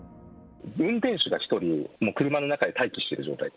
運転手が１人、車の中で待機している状態。